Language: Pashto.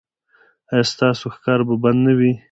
ایا ستاسو ښکار به بند نه وي؟